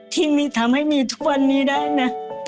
ที่มีทำให้มีทุกวันนี้ได้นะ